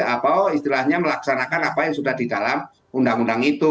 apa istilahnya melaksanakan apa yang sudah di dalam undang undang itu